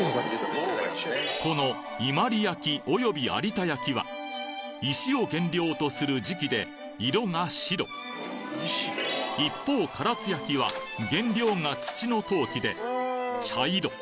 この伊万里焼および有田焼は石を原料とする磁器で色が白一方唐津焼は原料が土の陶器で茶色。